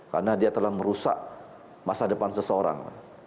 karena dia telah merusak masa depan seseorang